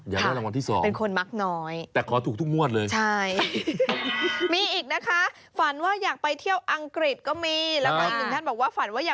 อยากได้รางวัลที่สองเป็นคนมักน้อย